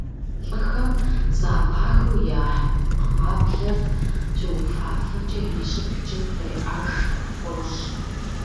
Лӏыхэм зэӏэпахыу яхь кхъаблэр щыуфафэкӏэ, и щӏыбкӏэ къеӏэж къыпфӏощӏ.